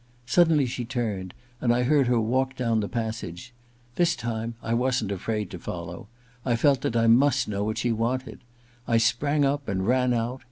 Suddenly she turned, and I heard her walk down the passage. This time I wasn't afraid to follow — I felt that I must know what she wanted. I sprang up and ran out.